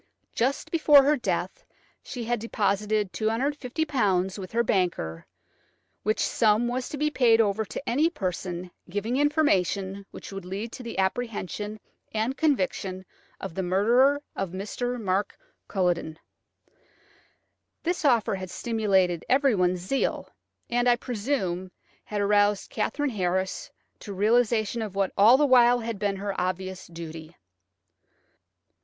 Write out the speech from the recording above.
Just before her death she had deposited £250 with her banker, which sum was to be paid over to any person giving information which would lead to the apprehension and conviction of the murderer of Mr. Mark Culledon. This offer had stimulated everyone's zeal, and, I presume, had aroused Katherine Harris to a realisation of what had all the while been her obvious duty.